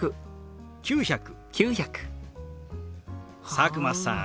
佐久間さん